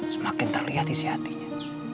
semakin terlihat isi hatinya